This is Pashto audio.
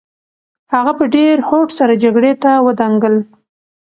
هغه په ډېر هوډ سره جګړې ته ودانګل.